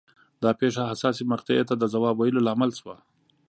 دا پېښه حساسې مقطعې ته د ځواب ویلو لامل شوه.